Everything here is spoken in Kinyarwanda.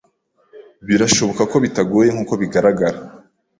Birashoboka ko bitagoye nkuko bigaragara.